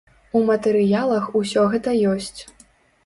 У матэрыялах усё гэта ёсць.